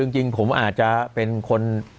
จริงผมอาจจะเป็นคน